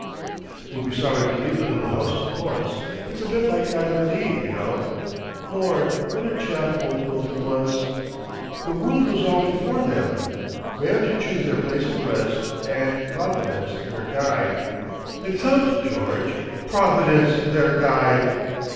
"We'll be sorry to leave the little house of course. It's a bit like Adam and Eve, you know. Lord! what a chap old Milton was! "'The world was all before them, where to choose Their place of rest, and Providence their guide.' "It sounds, George.... Providence their guide!...